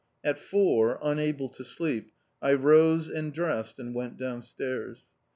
At four, unable to sleep, I rose and dressed and went downstairs.